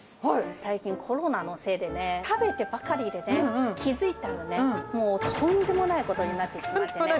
最近、コロナのせいでね、食べてばかりでね、気付いたらね、もうとんでもないことになってしまってね。